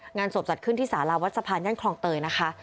งานศพจัดขึ้นที่สาราวัดสะพานย่านคลองเตยนะคะ